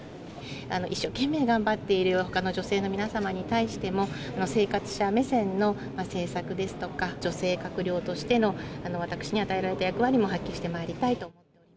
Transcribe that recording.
一生懸命頑張っているほかの女性の皆様に対しても、生活者目線の政策ですとか、女性閣僚としての私に与えられた役割も発揮してまいりたいと。